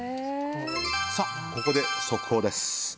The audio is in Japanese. ここで速報です。